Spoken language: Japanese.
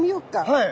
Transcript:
はい。